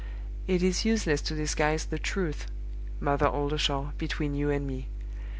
It is useless to disguise the truth, Mother Oldershaw, between you and me.